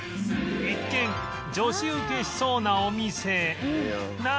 一見女子受けしそうなお店なのだが